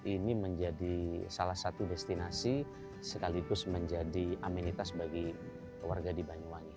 ini menjadi salah satu destinasi sekaligus menjadi amenitas bagi warga di banyuwangi